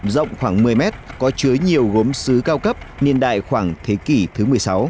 rộng khoảng một mươi mét có chứa nhiều gốm xứ cao cấp niên đại khoảng thế kỷ thứ một mươi sáu